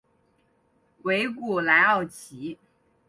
维古莱奥齐。